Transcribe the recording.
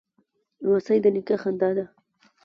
لمسی د نیکه خندا ده.